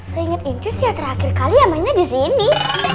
seinget incu sih ya terakhir kali ya main aja sini